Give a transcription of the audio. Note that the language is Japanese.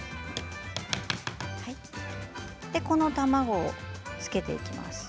この卵を付けていきます。